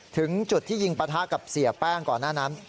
ถึงจุดที่ยิงปะทะกับเสียแป้งก่อนหน้านั้น